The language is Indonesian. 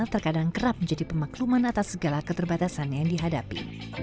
terkadang kerap menjadi pemakluman atas segala keterbatasan yang dihadapi